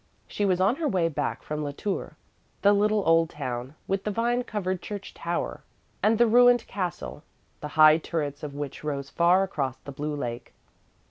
She was on her way back from La Tour, the little old town, with the vine covered church tower and the ruined castle, the high turrets of which rose far across the blue lake.